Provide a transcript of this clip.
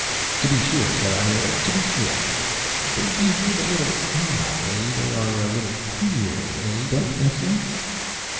"To be sure," said I,—"to be sure! They behave a little odd, eh?—they are a little queer, eh?—don't you think so?"